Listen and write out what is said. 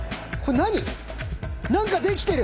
何かできてる！